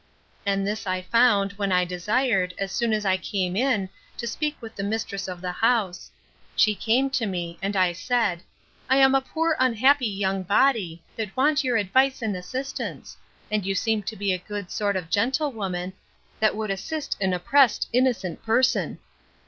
And this I found, when I desired, as soon as I came in, to speak with the mistress of the house. She came to me: and I said, I am a poor unhappy young body, that want your advice and assistance; and you seem to be a good sort of a gentlewoman, that would assist an oppressed innocent person.